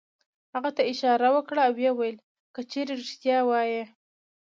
هغه ته یې اشاره وکړه او ویې ویل: که چېرې رېښتیا وایې.